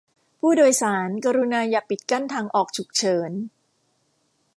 ผู้โดยสารกรุณาอย่าปิดกั้นทางออกฉุกเฉิน